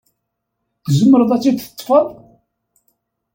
Tzemreḍ ad t-id-teṭṭfeḍ?